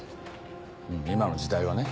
今の時代はね。